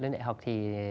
lên đại học thì